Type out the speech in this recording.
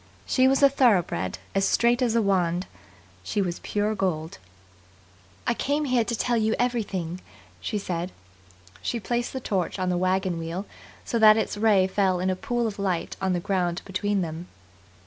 She was a thoroughbred, as straight as a wand. She was pure gold. "I came here to tell you everything," she said. She placed the torch on the wagon wheel so that its ray fell in a pool of light on the ground between them.